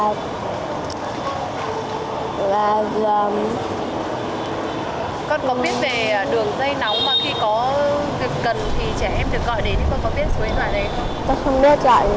con có biết về đường dây nóng mà khi có cần thì trẻ em được gọi đến thì con có biết số điện thoại này không